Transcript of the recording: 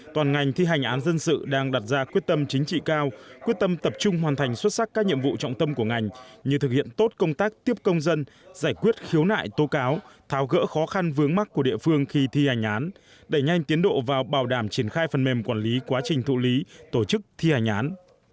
toàn ngành thi hành án dân sự đang đặt ra quyết tâm chính trị cao quyết tâm tập trung hoàn thành xuất sắc các nhiệm vụ trọng tâm của ngành như thực hiện tốt công tác tiếp công dân giải quyết khiếu nại tố cáo thao gỡ khó khăn vướng mắt của địa phương khi thi hành án đẩy nhanh tiến độ và bảo đảm triển khai phần mềm quản lý quá trình thụ lý tổ chức thi hành án